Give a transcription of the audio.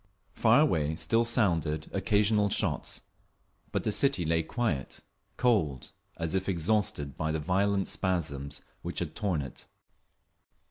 Far away still sounded occasional shots, but the city lay quiet, cold, as if exhausted by the violent spasms which had torn it.